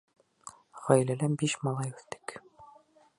— Ғаиләлә биш малай үҫтек.